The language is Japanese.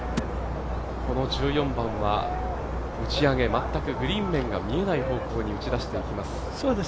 この１４番は、打ち上げ全くグリーン面が見えない方向に打ち出していきます。